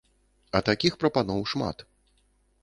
А такіх прапаноў шмат.